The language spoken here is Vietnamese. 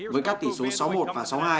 với các tỷ số sáu một và sáu hai